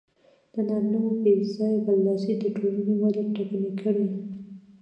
د نارینهوو بې ځایه برلاسي د ټولنې وده ټکنۍ کړې.